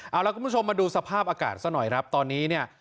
เอาล่ะคุณผู้ชมมาดูสภาพอากาศซะหน่อยครับตอนนี้เนี่ย